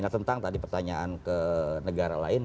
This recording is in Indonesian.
tentang tadi pertanyaan ke negara lain